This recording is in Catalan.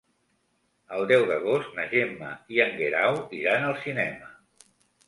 El deu d'agost na Gemma i en Guerau iran al cinema.